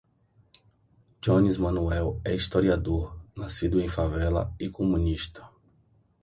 Jones Manoel é historiador, nascido em favela e comunista